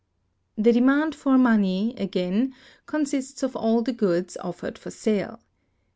The demand for money, again, consists of all the goods offered for sale.